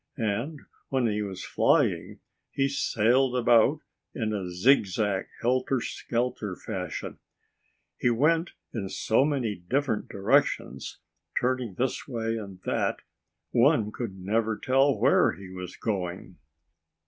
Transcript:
And when he was flying he sailed about in a zigzag, helter skelter fashion. He went in so many different directions, turning this way and that, one could never tell where he was going.